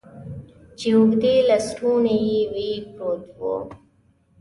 چې اوږدې لستوڼي یې وې، پروت و.